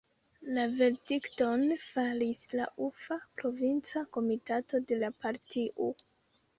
La verdikton faris la Ufa provinca komitato de la partio.